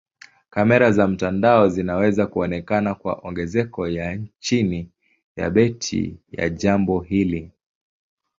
Kamera za mtandao zinaweza kuonekana kama ongezeko ya chini ya bajeti ya jambo hili.